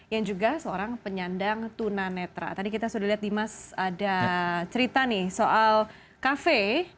yang juga seorang penyandang tunanetra tadi kita sudah lihat dimas ada cerita nih soal kafe